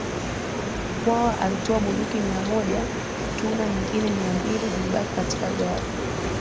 Mkwawa alitoa bunduki mia moja tuna nyingine mia mbili zilibaki katika ghala